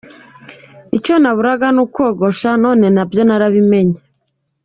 Icyo naburaga ni ukogosha none nabyo narabimenye.